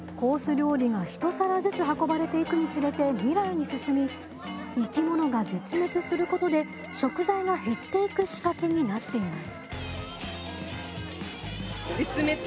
料理が一皿ずつ運ばれていくにつれて未来に進み生き物が絶滅することで食材が減っていく仕掛けになっています